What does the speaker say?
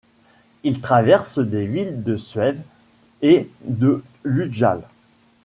Il traverse les villes de Sveg et de Ljusdal.